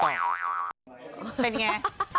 เป็นอย่างไร